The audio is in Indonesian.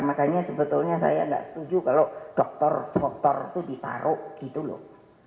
makanya sebetulnya saya nggak setuju kalau dokter dokter itu ditaruh gitu loh